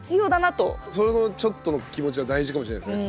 そのちょっとの気持ちは大事かもしれないですね。